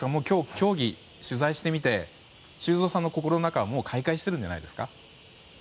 今日、競技を取材してみて修造さんの心の中はもう開会しているんじゃないですか？